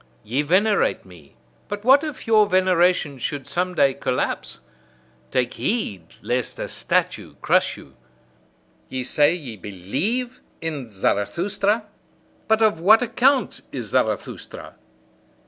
Ye venerate me; but what if your veneration should some day collapse? Take heed lest a statue crush you! Ye say, ye believe in Zarathustra? But of what account is Zarathustra!